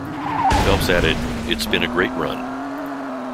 Phelps added: It's been a great run.